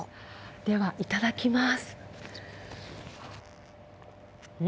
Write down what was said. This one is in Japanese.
では、いただきます。